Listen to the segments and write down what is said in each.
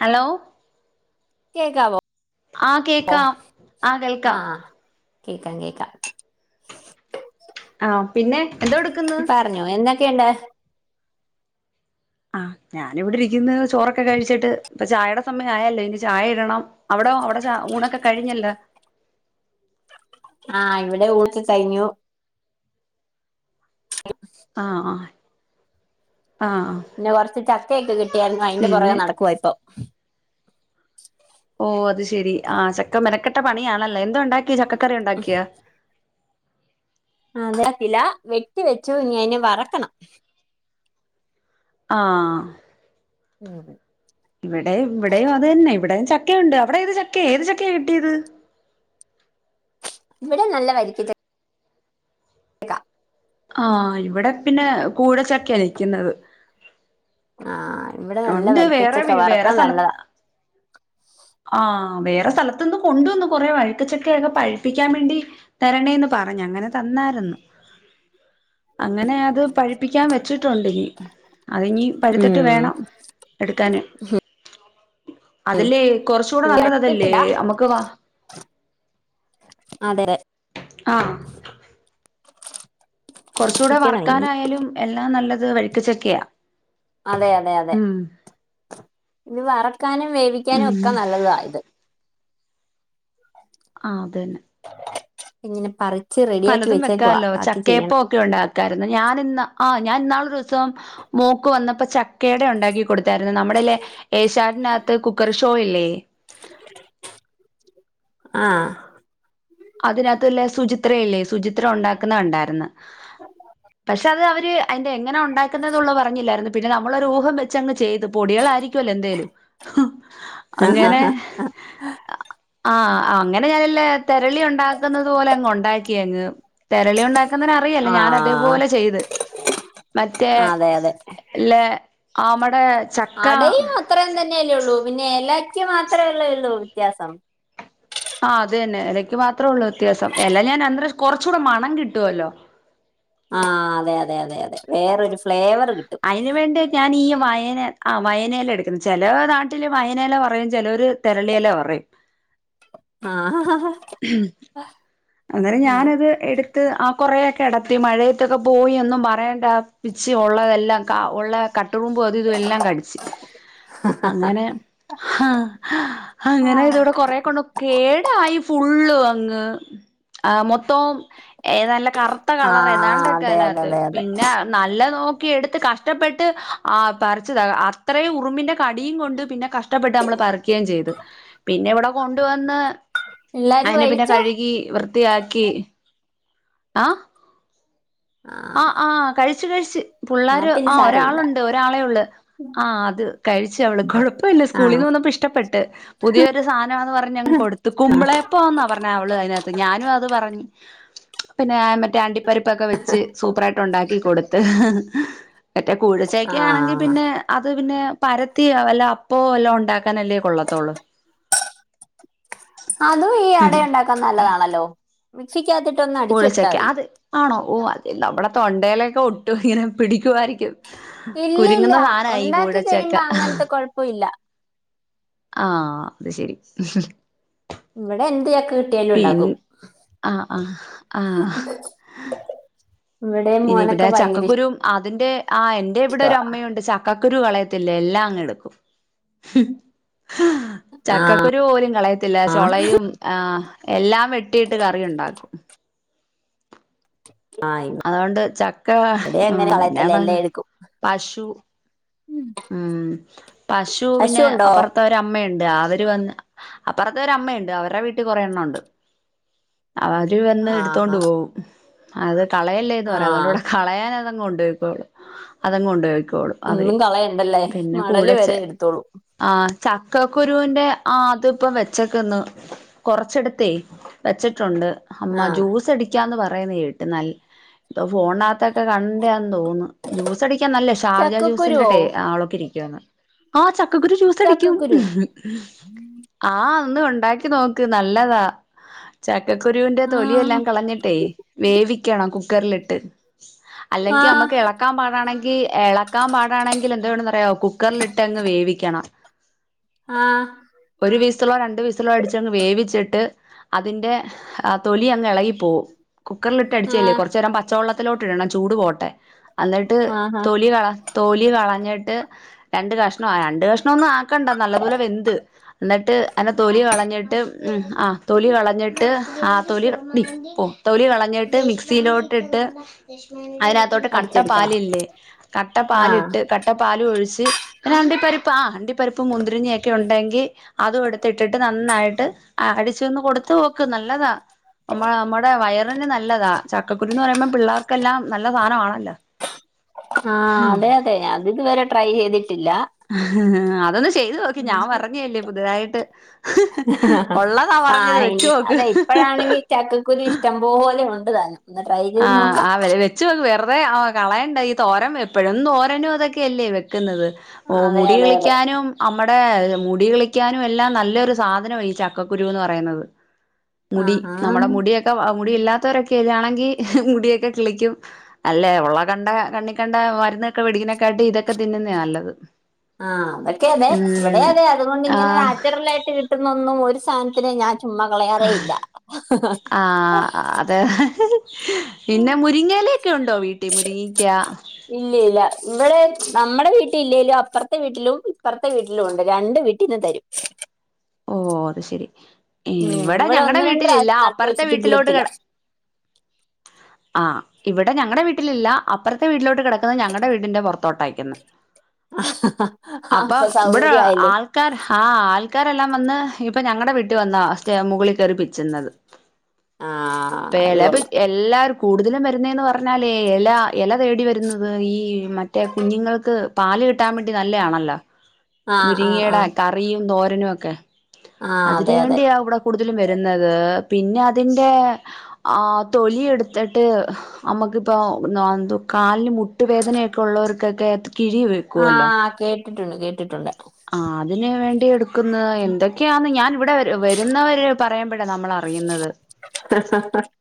Hello കേൾക്കാവോ ആഹ് കേക്കാം ആഹ് കേൾക്കാം കേക്കാം കേക്കാം ആഹ് പിന്നെ എന്തോ എടുക്കുന്നു പറഞ്ഞോ എന്തൊക്കെയുണ്ട് ആഹ് ഞാൻ ഇവിടെ ഇരിക്കുന്ന് ചോറൊക്കെ കഴിച്ചിട്ട് ഇപ്പോ ചായയുടെ സമയം ആയല്ലോ ഇനി ചായ ഇടണം അവിട അവിടെ ഊണൊക്കെ കഴിഞ്ഞല്ല ആഹ് ഇവിടെ ഊണ് കഴിഞ്ഞു ആഹ് ആഹ് ആഹ് പിന്നെ കൊറച്ച് ചക്കയൊക്കെ കിട്ടിയാരുന്നു അതിന്റെ പുറകെ പിന്നെ നടക്കുവ ഇപ്പൊ ഓ അത് ശെരി ആ ചക്ക മെനക്കട്ട പണിയാണല്ലോ എന്തതുണ്ടാക്ക ക്കി ചക്കക്കറി ഉണ്ടാക്കിയ അല്ല വെട്ടി വെച്ചു ഇനി അെ വറക്കണം ആഹ് ഉം ഇവിടെ ഇവിടെയും അത് തന്നെ ഇവിടെ ച ചക്കുണ്ട് അവിടെ ഏത് ചക്ക ഏത് ചക്കയ കിട്ടിയത് ഇവിടെ നല്ല വരിക്കച്ചക്ക എട ആഹ് ഇവിടെ പിന്നെ കൂടച്ചക്ക നിക്കുന്നത് ആഹ് ഇവിടെ നല്ല ഉണ്ട് വേറെ വരിക്കച്ചക്കെ വീ വറക്കാൻ നല്ലതാ ആ വേറെ സ്ഥലത്ത നിന്ന് കൊണ്ടുവന്ന് കൊറെേ വഴുക്കച്ചക്കയൊക്കെ പഴുപ്പിക്കാൻ വേണ്ടി തരണേന്ന് പറ പറഞ്ഞ് അങ്ങനെ തന്നായിരുന്നു അങ്ങനെ അത് പഴിപ്പിക്കാൻ വെച്ചിട്ടുണ്ട് അത് ഇനി പഴത്തിട്ട് ഉം വേണം എടുക്കാന് അതില് എത്തിട്ടടാ അതെ ആഹ് കുറച്ച് കൂടെ വറ്റിക്കണം ഇനി വർക്കാനായാലും എല്ലാം നല്ലത് വഴുക്ക്ച്ചക്കെയാ അതെ അതെ അതെ ഇത് വറക്കാനും വേവിക്കാനും ഉം ഒക്കെ നല്ലതാണ് ഇത് ആ അതന്നെ ഇങ്ങനെ പറ പലതും വെക്കാല്ലോ ചക്കയപ്പ ഒക്കെ ഉണ്ടാക്കായിരുന്നു ഞാന് ഇന്ന് ആ ഞാൻ ഇന്നാള് ദിവസം മൂക്ക് വന്നപ്പോ ക്കടെ ഉണ്ടാക്കി കൊടുത്തായിരുന്നു നമ്മുടെല്ലെ ഏശാനെറ്റിൻ്റെകത്ത് കുക്കർ ഷോ ഇല്ലേ ആഹ് അതിനകത്തല്ലേ സുചിത്ര ഇല്ലേ സുചിത്ര ഉണ്ടാക്കുന്ന കണ്ടായിന്ന് പക്ഷെ അത് അവര് അതിന്റെ എങ്ങനെ ഉണ്ടാക്കുന്നതള്ളത് പറഞ്ഞില്ലായിരുന്നു പിന്നെ നമ്മളൊരു ഊഹം വെച്ച്ങ്ങ് ചെയ്തു പൊടികൾ ആരിക്കല്ല എന്തേലും ആ ആഹ് അങ്ങനെ ഞാനല്ല തെരളി ഉണ്ടാക്കുന്നത് പോലെ അങ്ങ് ഉണ്ടാക്കിയങ്ങ് തെരളി ഉണ്ടാക്കുന്നതിന അറിയല്ലേ ഞാൻ ആഹ് അതേപോലെ ചെയ്ത് മറ്റേ അതെ അതെ ല്ലെ ആമ്മടെ ചക്ക അടയും അത്രേം തന്നെയല്ലേ ഉള്ളൂ പിന്നെ ഇല റ്റി മാത്രേള്ളള്ളോ വ്യത്യാസം ആ് അത്തന്നെ ഇലയ്ക്ക് മാത്രമേ ഉള്ളൂ വ്യത്യാസം. എല്ല ഞാൻ കുറച്ച് കൂടെ മണം കിട്ടുവല്ലോ? [inaudible] ആ അതെ അതെ അതെ അതെ വേറരു ഫ്ലേവർ. കിട്ടും അയിനു വേണ്ടി ഞാൻ ഈ വയന ആ വയനയില എടുക്കുന്നു. ചില നാട്ടില് വയനയില പറയും. ചിലര് തെരളില പറയും. [inaudible] ആഹ ഹ ഹ അന്നേരം ഞാനത് എടുത്ത്. ആ കൊറയൊക്കെ കടത്തി മഴയത്തൊക്കെ പോയി ഒന്നും പറയണ്ട. വിച്ച് ഉള്ളതെല്ലാം ഉള്ള കട്ടുറുമ്പ്. അത് ഇത് എല്ലാം കടിച്ച്. അങ്ങനെ ആഹ അങ്ങനെ ആഹ് ഇതടെ കൊറെ കൊണ്ട് കേടായി ഫുള്ളു ആഹ മൊത്തം ഏ നല്ല കറുത്ത ആ കളർ ഏതാണ്ടൊക്കെ അതെ അതെ അതിനകത്ത് അതെ അതെ പിന്നെ നല്ല നോ എട്ത്ത് കഷ്ട്ടപ്പെട്ട ആ പറച്ച് താ അത്രയും ഉക്കി ഉറുമ്പിന്റെ കടിയും കൊണ്ട് പിന്നെ കഷ്ടപ്പെട്ട് നമ്മള് പറിക്കുകയും ചെയ്ത് പിന്നെ ഇവിടെ കൊണ്ടുവന്ന് എല്ലാരും അതിനെ പിന്നെ കഴിച്ചോ കഴുകി വൃത്തിയാക്കി ആ ആ ആ കഴിച്ചു കഴിച്ചു പിള്ളേർ എന്നാ പിന്നെ ആ സാരമില്ല ഒരാളുണ്ട് ഒരാളെ ഉള്ളു ആഹ അത് കഴിച്ചു അവള് കുഴപ്പമില്ല സ്കൂളിൽ ആണോ നിന്ന് വന്നപ്പോ ഇഷ്ടപ്പെട്ട് പുതിയൊ ഒരു സാധനാന്ന് പറഞ് കൊടുത്തക്കുമ്പളേപ്പോന്നാ പറഞ്ഞ അവള് അതിനകത്ത് ഞാനും അത് പറഞ്ഞ പിന്നെ മറ്റേ അണ്ടിപ്പരിപ്പൊക്കെ വെച്ച് സൂപ്പറായിട്ട് ഉണ്ടാക്കി കൊടുത്ത് മറ്റേ ആ കൂഴിച്ചക്ക ആണെങ്കിൽ പിന്നെ അത് പിന്നെ പരത്തി അല്ല അപ്പ എല്ലാം ഉണ്ടാക്കൻല്ലേ കൊള്ളത്തോളൂ അതും ഈ അട ഉണ്ടാക്കാൻ നല്ലതാണല്ലോ വക്ഷിക്കാത്തിട്ട് കുഴിച്ചക്കെ അത് ആണോ ഓ അത് നമ്മളെ തൊണ്ടയിലൊക്കെ ഒട്ടു ഇങ്ങനെ പിടിക്കായിരിക്കും ഇല്ല ഇല്ല കുരുങ്ങുന്ന സാനയി ഉണ്ടാക്കി കൂടച്ചക്കെ കഴിയുമ്പോ അങ്ങനത്തെ കുഴപ്പമില്ല ആ അത് ശെരി ഇവിടെ എന്ത്യക്കെ പിൻ ആ ആ ആ ഇവിടെ ഇനി ഇവിടെ മോനൊക്കെ ഭയങ്കര ഇഷ് ചക്കക്കുരു ആ ന്റെ ആ എന്റെവിടെ ഒരു അമ്മയുണ്ട് ചക്കക്കുരു കളയത്തില്ലേ എല്ലാം അങ്ങ് എടുക്കും ആ ചക്കക്കുരു പോലും കളയത്തില്ല ചോളയും ആ എല്ലാം വെട്ടിയിട്ട് കറി ഉണ്ടാക്കും ആ അതുകൊണ്ട് ചക്ക ഇവിടെ ആ അങ്ങനെ പിന്നെ കളയത്തില്ല എല്ലാം എടുക്കും പശു ഉം പശു പിന്നെപ്പറത്തവര അമ്മയുണ്ട് അവര് വന്ന് അപ്പുറത്തെ ഒരമ്മയുണ്ട് അവരുടെ വീട്ടിൽ കൊറെ എണ്ണ ഉണ്ട് അവര് വന്ന് ആഹാ എടുത്തോണ്ട് ആഹ് പോവും അത് കളയല്ലേന്ന് പറയും അതുകൊണ്ട് ആഹ് ഇവിടെ കളയൻ കൊണ്ട് വയ്ക്കുള്ളു അതങ് കൊണ്ട്പോക്കുള്ളൂ അവര് ഒന്നും കളയണ്ടല്ലേ പിന്നെ മടല് വരെ കൂടെച്ചെ എടുത്തോളൂ ആ ചക്കക്കുരുവി്ന്റെ ആ അതിപ്പം വെച്ചക്കന്ന് കൊറച്ചെടുത്തേ വെച്ചിട്ടുണ്ട് അമ്മ ആഹ് ജ്യൂസ് അടിക്കാന്ന് പറയുന്ന കേട്ട് നൽ ഇപ്പൊ ഫോണകത്ത ഒക്കെ കണ്ടന്ന് തോന്നുന്നു ജ്യൂസ അടിക്കാൻ നല്ലേ ഷാർജ ചക്കക്കുരുവോ ജ്യൂസിന്റെട്ടേ ആ ചക്കക്കുരു ജൂസടിക്കും ചക്കക്കുരു ഉണ്ടാക്കി നോക്ക് നല്ലതാ ക്കുരുവിന്റെ ആഹ് തൊലിയെല്ലാം കളഞ്ഞിട്ടേ വേവിക്കണം കുക്കറിലിട്ട് ആഹ് അല്ലെങ്കിൽമ്മക്ക് ഇളക്കാൻ പാടാണെങ്കിൽ ഇളക്കാൻ പാടാണെങ്കിൽ എന്തണറയാ കുക്കറിലിട്ട് അങ്ങ് വേവിക്കണം ആഹ് ഒരു വീസിലോ രണ്ട വീസിലോ അടിച്ചങ്ങ് വേവിച്ചിട്ട് അതിൻ്റെ ആ തൊലിയങ് ഇളകിപ്പോക കുക്കറില ഇട്ട് അടിച്ചല്ലേ ആഹ് കുറച്ചു നേരം പച്ചവെള്ളത്തിലോട്ട് ഇടണം ചൂട് പോട്ടെ അന്നിട്ട് ആഹാ തൊലി കള തൊലി കളഞ്ഞിട്ട് രണ്ട കഷ്ണം രണ്ട കഷണം ഒന്നും ആക്കണ്ട നല്ലതോലെ വെന്ത് എന്നിട്ട് അനെ തൊലി കളഞ്ഞിട്ട് ആ തൊലി കളഞ്ഞിട്ട് ആ തൊലി ഡ പോ തൊലി കളഞ്ഞിട്ട് മിക്സിയിലോടിട്ട് [unintelligible] അതിനകത്തോട്ട് കട്ട അടിച്ചെടുക്കണം പാലി ല്ലേ കട്ട ആഹ് പാലിട്ട് കട്ട പാൽ ഒഴിച്ച് [unintelligible] പരിപ്പ് ആ് അണ്ടി പരിപ്പ് മുന്തിരിഞ്ഞിയൊക്കെ ഉണ്ടെങ്കിൽ അതും എടുത്തിട്ടിട്ട് നന്നായിട്ട് ചച്ച ഒന്ന് കൊടുത് നോക്ക് നല്ലതാ നമ്മ നമ്മടെ വയറിന് നല്ലതാ ചക്കക്കുരുന്ന് പറയുമ്പോ പിള്ളേർക്കെല്ലാം നല്ല സാധനമാണല്ലോ ആ അതെ അതെഞ അത് ഇതുവരെ ട്രൈ ചെയ്തിട്ട് [unintelligible] അതൊന്ന് ചെയ്ത് നോക്കി ഞാൻ പറഞ്ഞല്ലേ പുതുതായിട്ട് ഉള്ളതാ പറഞ്ഞത് ആഹ് ഇനി വെച്ചോക്ക് അതെ ഇപ്പഴാണെങ്കി ചക്കക്കുരു ഇഷ്ടം പോലെ ഉണ്ട് താനും ഒന്ന് ട്രൈ ആ ചെയ്ത് നോക്കാം ആ വെച്ച വേറെ ആ കളയണ്ട ഈ തോരം എപ്പോഴും തോരനും അതൊക്കെയ അല്ലേ വെക്കുന്നത്. ഓ അതെ മുടി അതെ അതെ കളിക്കാനും അമ്മ മുടി കിളിക്കാനും എല്ലാം നല്ലൊരു സാധനമാണ് ഈ ചക്കക്കുരുന്ന് പറയുന്നത്. മുടി നമ്മുടെ ആഹാ മുടിയൊക്കെ മുടി ഇല്ലാത്തവരൊക്കെ ഇതാണെങ്കി മുടിയൊക്കെ കിളിക്കും. അല്ലേ ഉള്ള കണ്ട കണ്ണി കണ്ട മരുന്നൊക്കെ വെടിക്ക് ണാട്ടി ഇത്. ഇതെന്നെയാ നല്ലത്. ആ അതൊക്കെ അതെ ഇവിടെ ഉം അതെ അതുകൊണ്ട് ഇങ്ങനെ ആഹ് നാച്ചുറൽ ആയിട്ട് കിട്ടുന്നൊന്നും ഒരു- സാനത്തിനെ ഞാൻ ചുമ്മാ കളയാറേ ഇല്ല ആഹ് അതെ. പിന്നെ മുരിങ്ങയിലൊക്കെ ഉണ്ടോ വീട്ടിൽ മുരിങ്ങിക്ക. ഇല്ല ഇല്ല ഇവിടെ നമ്മുടെ വീട്ടിലില്ലെലും. അപ്പുറത്തെ വീട്ടിലും. ഇപ്പുറത്തെ വീട്ടിലും ഉണ്ട് രണ്ട് വീട്ടിൽന്ന് തരും. ഓ അത് ശെരി. ഉം ഇവിടെ ഞങ്ങളടെ ഒന്ന് രണ്ട് വീട്ടിലില്ല. പ്രാവശ്യം നട്ട് അപ്പുറത്തെ വെച്ചിട്ട് വീട്ടിലോട്ട് കിളുത്തില്ല കട ആഹ ഇവിടെ ഞങ്ങളടെ വീട്ടിലില്ല അപ്പുറത്തെ വീട്ടിലോട്ട് കിടക്കുന്നത്. ഞങ്ങളടെ വീടിന്റെ പുറത്തോട്ട് നിക്കുന്നെ. അപ്പൊ ഇവിടെ ആൾക്കാർ ആഹ ആൾക്കാർ. ല്ല വന്ന് ഇപ്പൊ ഞങ്ങളടെ വീട്ട് വന്ന സ്റ്റെ മുകളിൽ കയറി പ്പിച്ചുന്നത്. ആഹ് അത് പ്പോല കൊള്ളാം എല്ലാർക്കും. കൂടുതലും വരുന്നന്ന് പറഞ്ഞാലേ എല എല തേടി വരുന്നത്. ഈ മറ്റേ കുഞ്ഞുങ്ങൾക്ക് പാൽ. കിട്ടാൻ വേണ്ടി നല്ലയാണല്ലോ. ആഹ് ആഹ് മുരിങ്ങയുടെ ആഹ് കറിയും തോരനും ഒക്കെ ആഹ് അതിന അതെ അതെ വേണ്ടിയ ഇവിടെ വരുന്നത് പിന്നെ അതിന്റെ ആ തൊലി എടുത്തിട്ട് നമുക്ക്- ഇപ്പൊ എന്ത കാലിന് മുട്ടുവേദനയൊക്കെ ഉള്ളവർക്കൊക്കെ കിഴി വെക്കുവല്ലോ? ആഹ് കേട്ടിട്ടുണ്ട് കേട്ടിട്ടുണ്ട്. എടുന്നത് എന്തൊക്കെയാെന്ന് ഞാൻ ഇവിടെ വരുന്നവര് പറയ ടെ നമ്മൾ അറിയുന്നത്.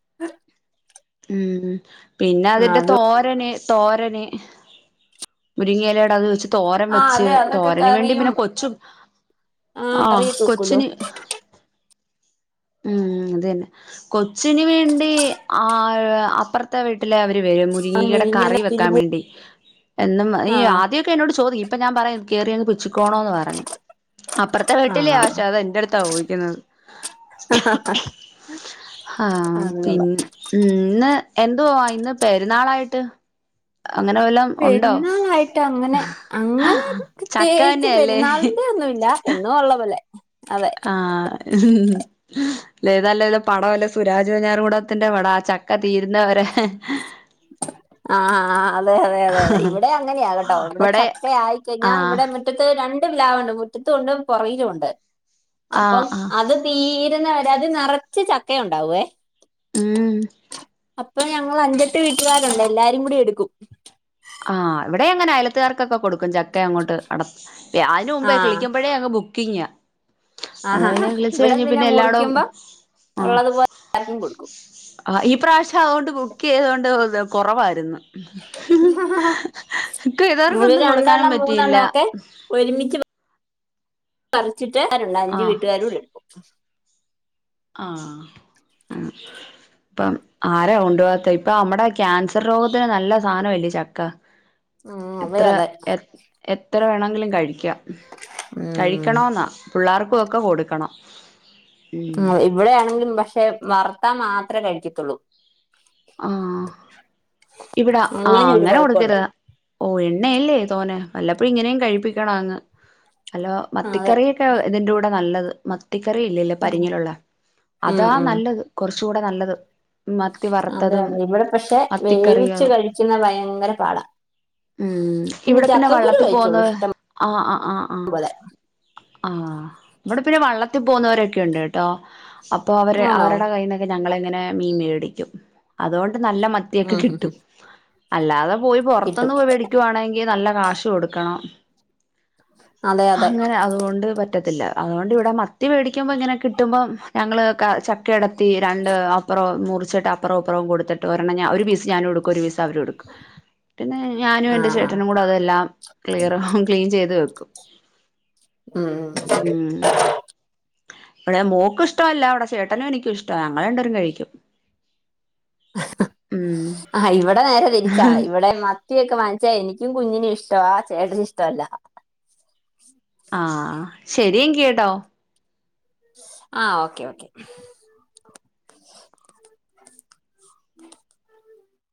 [unintelligible] ഉം പിന്നെ അതിന്റെ അത് തോരന്. തോരന് മുരിങ്ങയിലട അത് വെച്ച്. തോരം ആഹ് വെച്ച് അതെ അതൊക്കെ തോരന് വേണ്ടി കറിയും പിന്നെ കൊച്ചും. ആഹ് ആഹ കറിയൊക്കെ വെക്കൂലോ കൊച്ചിന്. ഉം അതെ ന്നെ കൊച്ചിന് വേണ്ടി. ആ അപ്പുറത്തെ വീട്ടില് അവര് വരും ആഹ് മുരിങ്ങടെ കറി മെലിഞ്ഞതൊക്കെ വെക്കാൻ എരിവും വേണ്ടി. എന്നും നീ ആഹ് ആദ്യമൊക്കെ എന്നോട് ചോദി ഇപ്പൊ ഞാൻ പറയാ കേറിയൊന്ന് പിച്ചിക്കോണോന്ന് പറഞ്ഞു. അപ്പുറത്തെ വീട്ടിലേ ആശാ ആഹ് അത് അടുത്താ പോയി. ആഹ അത് കൊള്ളാം പിന്നെ ഉം ഇന്ന് എന്തുവാ ഇന്ന് പെരുന്നാളായിട്ട്.. അങ്ങനെ വല്ലോം ഉണ്ടോ പെരുന്നാളായിട്ട് അങ്ങനെ അങ്ങനെ ചക്ക പ്രത്യേകിച്ച് തന്നെയല്ലേ പെരുന്നാളിന്റെ ഒന്നുല്ല. എന്നും ഉള്ള പോലെ അതെ ആഹ ഹും ലഏതാല്ല ത പടംല്ലേ സുരാജ് വെഞ്ഞാറ മൂടത്തിന്റെ പട ആ ചക്ക തീരുന്നവരെ. ആഹ ആ അതെ അതെ അതെ അതെ ഇവിടെ അങ്ങനെയാകട്ടോ ഇവിടെ ചക്ക ആയിക്കഴിഞ്ഞാൽ ആഹ് ഇവിടെ മുറ്റത്ത്. രണ്ട് ണ്ട് മുറ്റത്തുണ്ട് പുറകിലുണ്ട് ആഹ് അപ്പം ആഹ് അത് തീരുന്ന വരെ. അത് നിറച്ചു ചക്ക ഉണ്ടാവുവേ. ഉം അപ്പൊ ഞങ്ങൾ അഞ്ചെട്ട് വീട്ടുകാരുണ്ട് എല്ലാരും കൂടി എടുക്കും. ആഹ് ഇവിടെ അങ്ങനെ അയലത്തുകാർക്കൊക്കെ കൊടുക്കും. ചക്ക അങ്ങോട്ട് അട- ആ അതിന് മുമ്പേ കിളിക്കുമ്പഴേ അങ് ബുക്കിങ്ങാ. അ ആഹാ പിന്നെ വിളിച്ച് ഇവിടെ കഴിഞ്ഞ് പിന്നെ എല്ലാടോം മുറിക്കുമ്പോ ആ ഉള്ളതുപോലെ എല്ലാവർക്കും കൊടുക്കും ആ ഈ പ്രാവശ്യം അതുകൊണ്ട് ബുക്ക് ചെയ്തൊണ്ട് കൊറവായിരുന്നു ഹ് ഹ് ബുക്ക് ഒര് ചെയ്തവർക്കൊന്നും കൊടുക്കാനും രണ്ടെണ്ണം പറ്റിയില്ല മൂന്നെണ്ണൊക്കെ ഒരുമിച്ച് പറിച്ചിട്ട് [unintelligible] അഞ്ചു ആഹ് വീട്ടുകാരൂടെടുക്കും ആ ആ ഇപ്പം ആരാ കൊണ്ടുപാത്തെ ഇപ്പൊ അമ്മടെ ക്യാൻസർ രോഗത്തിന് നല്ല സാധനല്ല് ചക്ക ഉം എത്ര അതെയതെ എ എത്ര വേണോങ്കിലും കഴിക്കാം ഉം കഴിക്കണോന്നാ പുള്ളാർക്കുവൊക്കെ കൊടുക്കണം ഇവിടെ ആണെങ്കിലും പക്ഷെ വർത്താ മാത്രെ കഴിക്കത്തുള്ളൂ ആ ഇവിടെ ആ ഒരു അങ്ങനെ കുഴപ്പമുണ്ട് കൊടുക്കരുത് ഓ എണ്ണയല്ലേ തോനെ വല്ലപ്പോഴു ഇങ്ങനെം കഴിപ്പിക്കണവങ്ങ് ഹലോ അതെ മത്തിക്കറിയെക്കെ ഇതിന്റൂടെ നല്ലത് ത്തിക്കറി ഇല്ലേല്ല ഉം പരിഞ്ഞിലൊള്ള ഉം അതാ ഉം നല്ലത് കൊറച്ചൂടെ നല്ലത് മത്തി വറ അതെയതെ ഇവിടെ പക്ഷെ വേവിച്ചു കഴിക്കുന്ന ഭയങ്കര പാടാ ഉം ഇവിടെ പിന്നെ ചക്കക്കുരു വള്ളത്തി കഴിച്ചോളൂ പോന്നത് ഇഷ്ടം ആ ആ ആ ആ ആ നമ്മടെ പിന്നെ വള്ളത്തി പോകുന്നവരൊക്കെ ഒണ്ട് കേട്ടോ അപ്പൊ അവര് ആണോ അവരടെ കയ്ൽ നിന്നൊക്കെ ഞങ്ങളിങ്ങനെ മീമേടിക്കും അതോണ്ട് നല്ല മത്തിയക്കെ ഉം ഉം കിട്ടും ഉം അല്ലാത പോയി പൊറത്തുന്ന് കിട്ടും പോയി വേടിക്കുവാണെങ്കിൽ നല്ല കാശ് കൊടുക്കണം അതെ അതെ അങ്ങനെ അതുകൊണ്ട് പറ്റ ത്തില്ല അതുകൊണ്ട് ഇവിടെ മത്തി വേടിക്കുമ്പോ ഇങ്ങനെ കിട്ടുമ്പോ ഞങ്ങള് കെടത്തി രണ്ട് അപ്പൊറൊം മുറിച്ചിട്ട് അപ്പുറൊം ഇപ്പറൊം കൊടുത്തിട്ട് ഒരെണം ഒരു പീസ് ഞാനു എടുക്കും ഒരു പീസവരു എടുക്കും പിന്നെ ഞാനും എന്റെ ആഹ് ആഹ് ചേട്ടനും കൂടതെല്ലാം ക്ലിയറ ക്ലീൻ ചെയ്ത് വെക്കും ഉം ഇവിടെ മോക്കിഷ്ടവല്ല ഇവിടെ ചേട്ടനും എനിക്കും ഇഷ്ട ഞങ്ങ രണ്ടേരും കഴിക്കും ഹഹ ആ ഇവിടെ നേരെ തിരിച്ചാ ഉം ഇവിടെ മത്തിയൊക്കെ [unintelligible] എനിക്കും കുഞ്ഞിനും ഇഷ്ടവ ചേട്ടന് ഇഷ്ടവല്ല ആ ആശരിയെങ്കി കേട്ടോ ആ ഓക്കെ ഓക്കെ